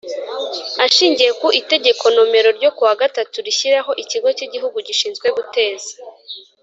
Ashingiye ku Itegeko nomero ryo kuwa gatatu rishyiraho Ikigo cy Igihugu gishinzwe guteza